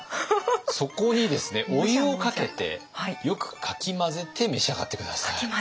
そこにですねお湯をかけてよくかき混ぜて召し上がって下さい。